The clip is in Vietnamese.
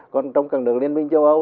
còn trong càng đường liên minh châu âu